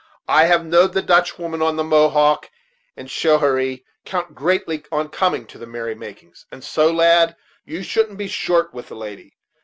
I have knowed the Dutch women, on the Mohawk and Schoharie, count greatly on coming to the merry makings; and so, lad, you shouldn't be short with the lady.